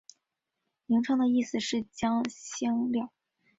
名称的意思是将香料。